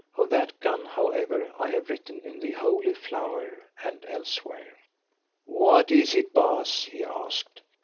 Of that gun, however, I have written in "The Holy Flower" and elsewhere. "What is it, Baas?" he asked.